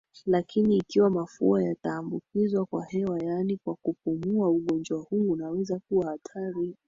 Lakini ikiwa mafua yataambukizwa kwa hewa yaani kwa kupumua ugonjwa huu unaweza kuwa hatari